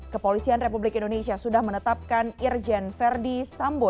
kepolisian republik indonesia sudah menetapkan irjen verdi sambo